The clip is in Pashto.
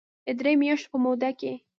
د درې مياشتو په موده کې